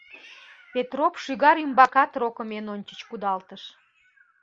Петроп шӱгар ӱмбакат рокым эн ончыч кудалтыш.